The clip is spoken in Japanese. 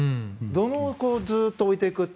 土嚢をずっと置いていくと。